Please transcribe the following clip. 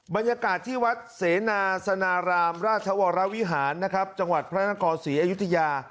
บรรยากาศที่วัดเสนาสนารามราชวรวิหารนะครับจังหวัดพระนครศรีอยุธยา